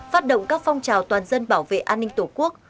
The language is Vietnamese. phát động các phong trào toàn dân bảo vệ an ninh tổ quốc